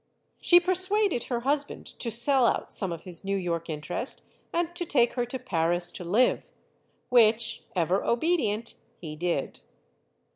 She per suaded her husband to sell out some of his New York interest and to take her to Paris to live. Which, ever obedient, he did.